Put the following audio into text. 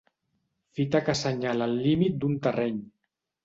Fita que assenyala el límit d'un terreny.